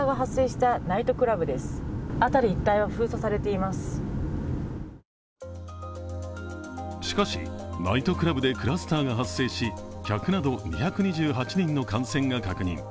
しかし、ナイトクラブでクラスターが発生し客など２２８人の感染が確認。